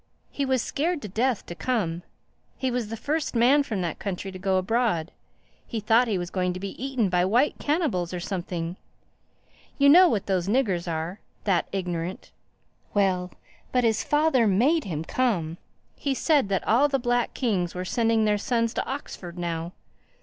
He was scared to death to come. He was the first man from that country to go abroad. He thought he was going to be eaten by white cannibals or something. You know what those niggers are—that ignorant! Well!—But his father made him come. He said that all the black kings were sending their sons to Oxford now.